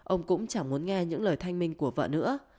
ông cũng chẳng muốn nghe những lời thanh minh của vợ nữa